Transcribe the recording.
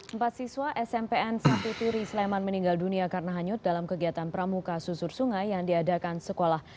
empat siswa smpn satu turi sleman meninggal dunia karena hanyut dalam kegiatan pramuka susur sungai yang diadakan sekolah